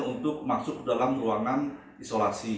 untuk masuk ke dalam ruangan isolasi